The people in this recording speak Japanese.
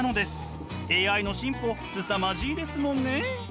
ＡＩの進歩すさまじいですもんね。